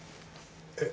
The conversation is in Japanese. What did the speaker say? えっ。